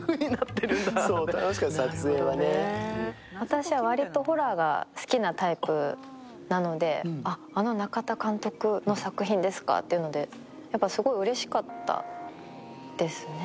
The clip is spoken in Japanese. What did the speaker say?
私は割とホラーが好きなタイプなのであ、あの中田監督の作品ですかっていうのでやっぱりすごくうれしかったですね。